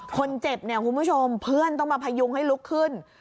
คนเจ็บเนี่ยคุณผู้ชมเพื่อนต้องมาพยุงให้ลุกขึ้น